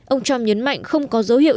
ông trump nhấn mạnh không có dấu hiệu